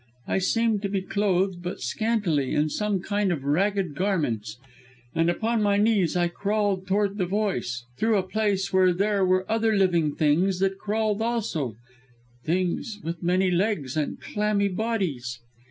I seemed to be clothed but scantily, in some kind of ragged garments; and upon my knees I crawled toward the voice, through a place where there were other living things that crawled also things with many legs and clammy bodies...."